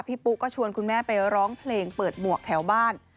ปุ๊ก็ชวนคุณแม่ไปร้องเพลงเปิดหมวกแถวบ้าน